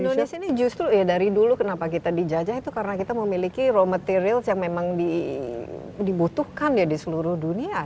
indonesia ini justru ya dari dulu kenapa kita dijajah itu karena kita memiliki raw materials yang memang dibutuhkan ya di seluruh dunia